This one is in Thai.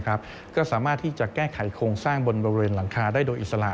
ก็สามารถที่จะแก้ไขโครงสร้างบนบริเวณหลังคาได้โดยอิสระ